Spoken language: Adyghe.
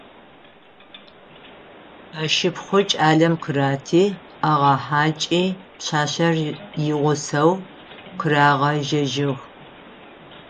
Ашыпхъу кӏалэм къырати, агъэхьакӏи, пшъашъэр игъусэу къырагъэжьэжьыгъ.